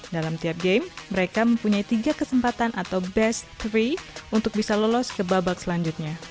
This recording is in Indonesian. dalam tiap game mereka mempunyai tiga kesempatan atau best tiga untuk bisa lolos ke babak selanjutnya